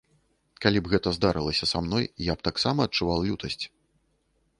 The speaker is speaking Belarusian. Калі б гэта здарылася са мной, я б таксама адчуваў лютасць.